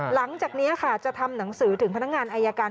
หลังจากนี้ค่ะจะทำหนังสือถึงพนักงานอายการ